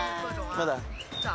まだ？